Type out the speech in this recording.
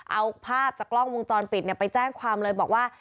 เอาภาพจากกล้องวงจรปิดไปแจ้งความเลยบอกว่า